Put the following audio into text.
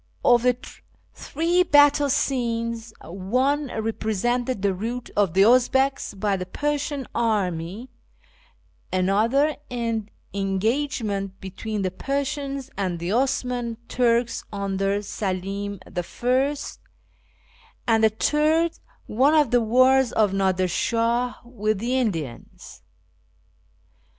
Of the three battle scenes, one represented the rout of the Uzbegs by the Persian army ; another, an engagement between the Persians and the Ottoman Turks under Seli'm I ; and the third, one of the wars of Nadir Shah with the Indians.